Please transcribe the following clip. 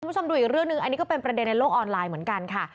คุณผู้ชมดูอีกเรื่องหนึ่งอันนี้ก็เป็นประเด็นในโลกออนไลน์เหมือนกันค่ะ